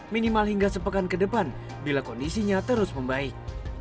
minimal hingga sepekan ke depan bila kondisinya terus membaik